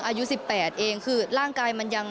อายุ๑๘เองคือร่างกายมันยัง